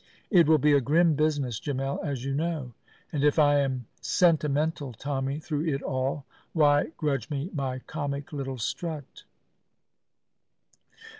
It will be a grim business, Gemmell, as you know, and if I am Sentimental Tommy through it all, why grudge me my comic little strut?"